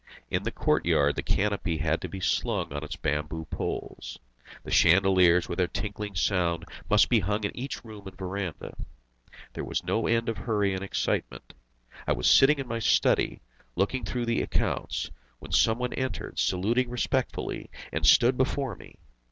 In the courtyard the canopy had to be slung on its bamboo poles; the chandeliers with their tinkling sound must be hung in each room and verandah. There was no end of hurry and excitement. I was sitting in my study, looking through the accounts, when some one entered, saluting respectfully, and stood before me.